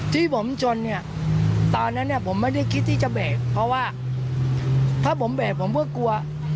ที่ผมชนเนี่ยตอนนั้นเนี่ยผมไม่ได้คิดที่จะเบรกเพราะว่าถ้าผมเบรกผมก็กลัว